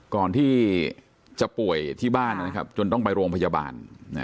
ก่อนที่จะป่วยที่บ้านจนต้องไปโรงพยาบาล